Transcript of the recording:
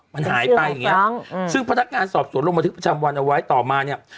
มันหายไปอย่างเงี้ยซึ่งพนักงานสอบสวนลงบันทึกประจำวันเอาไว้ต่อมาเนี่ย